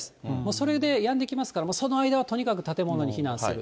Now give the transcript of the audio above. それでやんできますから、もうその間はとにかく建物に避難する。